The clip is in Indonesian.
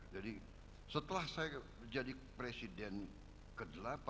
jadi setelah saya jadi presiden ke delapan